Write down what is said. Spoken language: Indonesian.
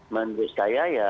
menurut saya ya